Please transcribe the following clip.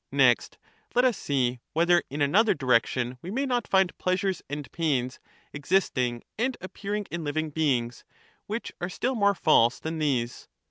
Next let us see whether in another direction we may not find pleasures and pains existing and appearing in living beings, which are still more false than these.